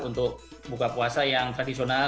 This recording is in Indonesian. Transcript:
untuk buka puasa yang tradisional